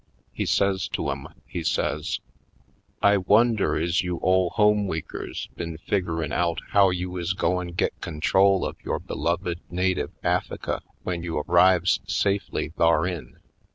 He says to 'em, he says: "I wonder is you Ole Home Weekers been figgerin' out how you is goin' git con trol of yore beloved native Affika w'en you arrives safely tharin?